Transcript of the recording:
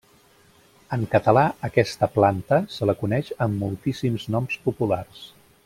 En català aquesta planta se la coneix amb moltíssims noms populars.